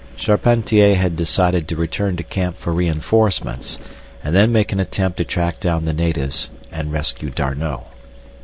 Charpentier had decided to return to camp for reinforcements, and then make an attempt to track down the natives and rescue D'Arnot.